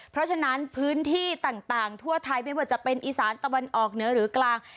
เพราะฉะนั้นพื้นที่ต่างทั่วไทยไม่ว่าจะเป็นอีสานตะวันออกเหนือหรือกลาง